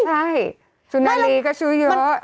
ไม่ล่ะคุณอ่านลีก็ซื้อเยอะ